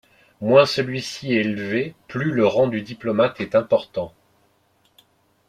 Moins celui-ci est élevé, plus le rang du diplomate est important.